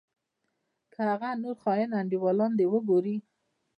که هغه نور خاين انډيوالان دې وګورې.